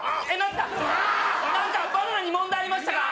何かバナナに問題ありましたか？